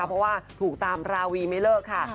เพราะว่าถูกตามราวีไม่เลิกค่ะ